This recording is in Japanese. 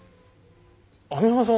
網浜さん